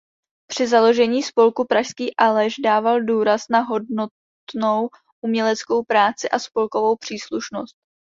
Při založení spolku Pražský Aleš dával důraz na hodnotnou uměleckou práci a spolkovou příslušnost.